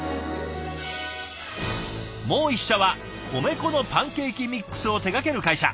もう一社は米粉のパンケーキミックスを手がける会社。